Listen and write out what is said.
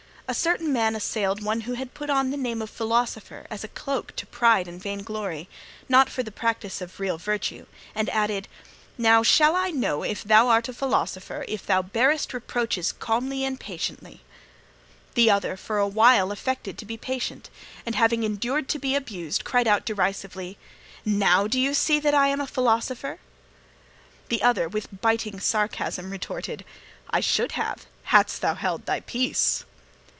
A certain man assailed one who had put on the name of philosopher as a cloak to pride and vain glory, not for the practice of real virtue, and added: "Now shall I know if thou art a philosopher if thou bearest reproaches calmly and patiently." The other for awhile affected to be patient, and, having endured to be abused, cried out derisively: "Now, do you see that I am a philosopher?" The other, with biting sarcasm, retorted: "I should have hadst thou held thy peace."